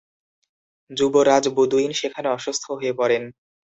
যুবরাজ বুদুইন সেখানে অসুস্থ হয়ে পড়েন।